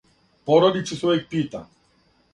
Породица се увек пита.